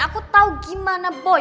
aku tau gimana boy